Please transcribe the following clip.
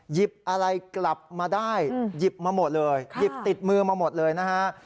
หยิบอะไรกลับมาได้หยิบมาหมดเลยหยิบติดมือมาหมดเลยนะฮะ